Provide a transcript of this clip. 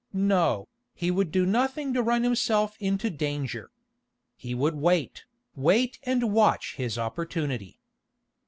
No, he would do nothing to run himself into danger. He would wait, wait and watch his opportunity.